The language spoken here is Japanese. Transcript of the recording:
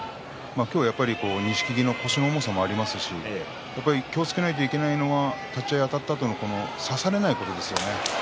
今日はやっぱり錦木の腰の重さもありますし気をつけなきゃいけないのは立ち合いあたったあと差されないことですね。